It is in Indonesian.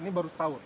ini baru setahun